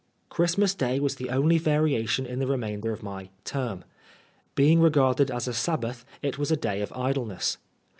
Christmas Day was the only variation in the remain der of my "term." Being regarded as a Sabbath, it was a day of idleness.